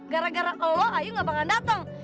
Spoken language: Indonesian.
gara gara lo ayu gak bakal dateng